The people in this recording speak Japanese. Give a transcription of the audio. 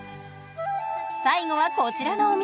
最後はこちらのお店。